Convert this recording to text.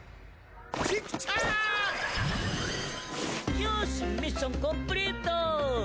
よーしミッションコンプリート！